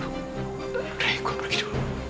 nenek gue pergi dulu